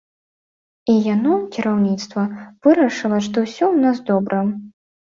І яно, кіраўніцтва, вырашыла, што ўсё ў нас добра.